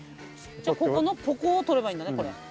じゃあここのここを取ればいいんだね。